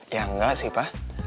ya enggak sih pa